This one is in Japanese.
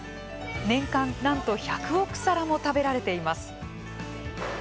年間、なんと１００億皿も食べられています。